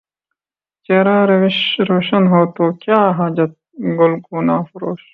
چہرہ روشن ہو تو کیا حاجت گلگونہ فروش